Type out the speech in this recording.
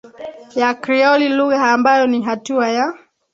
ya Krioli lugha ambayo ni hatua ya